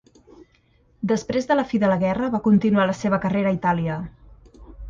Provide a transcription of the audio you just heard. Després de la fi de la guerra va continuar la seva carrera a Itàlia.